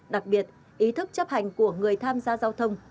đặc biệt ý thức chấp hành của người tham gia giao thông